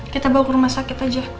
kita bawa ke rumah sakit aja